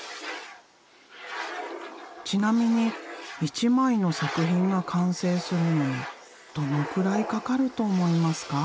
ちなみに一枚の作品が完成するのにどのくらいかかると思いますか？